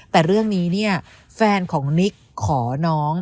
แต่เรื่องนี้เนี่ยแฟนของนิกขอน้อง